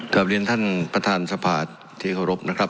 ทรัพย์เรียนท่านประธานสภาษณ์ที่เค้ารบนะครับ